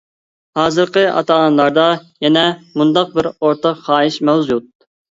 ھازىرقى ئاتا-ئانىلاردا يەنە مۇنداق بىر ئورتاق خاھىش مەۋجۇت.